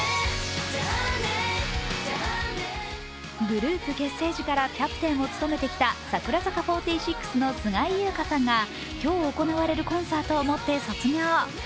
グループ結成時からキャプテンを務めてきた櫻坂４６の菅井友香さんが今日行われるコンサートをもって卒業。